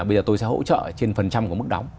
bây giờ tôi sẽ hỗ trợ trên phần trăm của mức đóng